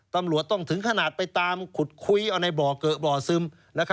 ตำรวจต้องถึงขนาดไปตามขุดคุยเอาในบ่อเกอะบ่อซึม